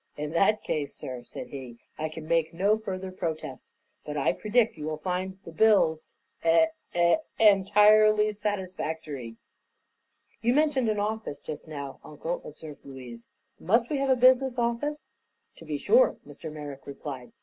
"In that case, sir," said he, "I can make no further protest. But I predict you will find the bills eh eh entirely satisfactory." "You mentioned an office, just now, Uncle," observed Louise. "Must we have a business office?" "To be sure," Mr. Merrick replied.